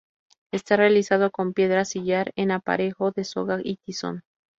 Está realizado con piedra sillar en aparejo de soga y tizón.